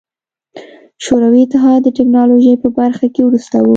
شوروي اتحاد د ټکنالوژۍ په برخه کې وروسته و.